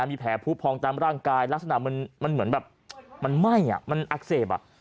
มีแผลผู้พองตามร่างกายลักษณะมันเหมือนแบบมันไหม้มันอักเสบ